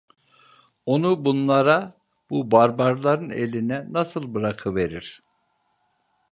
Onu bunlara, bu barbarların eline nasıl bırakıverir?